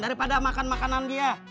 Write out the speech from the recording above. dari pada makan makanan dia